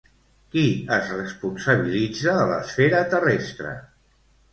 Qui es responsabilitza de l'esfera terrestre?